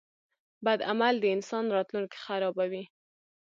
• بد عمل د انسان راتلونکی خرابوي.